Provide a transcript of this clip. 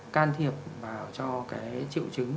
can thiệp vào cho triệu chứng